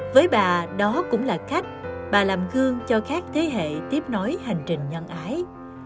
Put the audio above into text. với bà đó cũng là khách bà làm gương cho khách thế hệ tiếp nối hành trình nhân ái